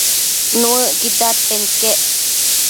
Nuëcquid dadpen iquec